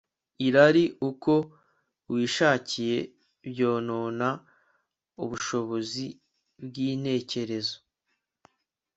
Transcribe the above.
irari uko wishakiye byonona ubushobozi bwintekerezo